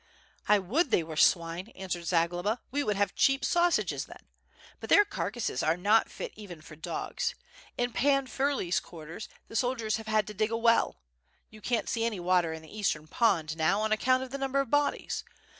"I would they were swine," answered Zagloba, "we would have cheap sausages then. But their carcasses are not fit even for dogs. In Pan Firley's quarters the soldiers have had to dig a well, you can't see any water in the eastern pond now on account of the numbers of bodies.